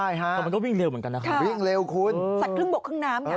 ใช่ค่ะ